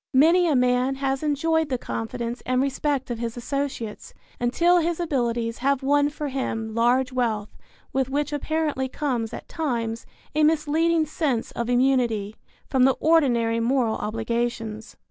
Many a man has enjoyed the confidence and respect of his associates until his abilities have won for him large wealth with which apparently comes at times a misleading sense of immunity from the ordinary moral obligations.